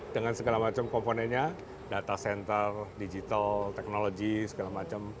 dengan segala macam komponennya data center digital technology segala macam